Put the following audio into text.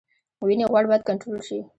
وینې غوړ باید کنټرول شي